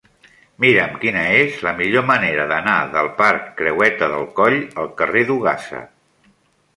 Mira'm quina és la millor manera d'anar del parc Creueta del Coll al carrer d'Ogassa.